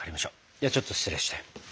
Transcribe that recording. ではちょっと失礼して。